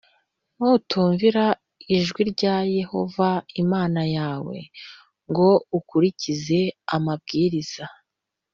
“Nutumvira ijwi rya Yehova Imana yawe ngo ukurikize amabwiriza